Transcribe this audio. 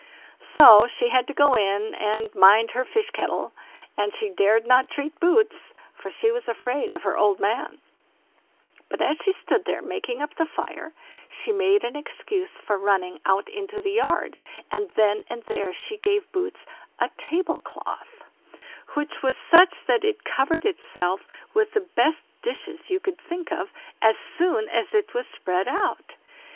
So she had to go in and mind her fish kettle, and she dared not treat Boots, for she was afraid of her old man; but as she stood there making up the fire, she made an excuse for running out into the yard, and then and there she gave Boots a table cloth, which was such that it covered itself with the best dishes you could think of, as soon as it was spread out.